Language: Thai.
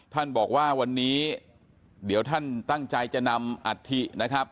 ท่านบอกว่าวันนี้เดี๋ยวท่านตั้งใจจะนำอัฐินะครับ